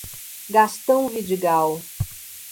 Gastão Vidigal